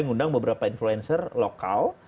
ngundang beberapa influencer lokal